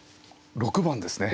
６番ですね。